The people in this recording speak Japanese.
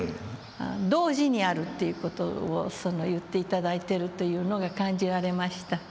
同時にあるという事を言って頂いてるというのが感じられました。